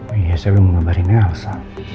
oh iya saya belum mengabarinya elsa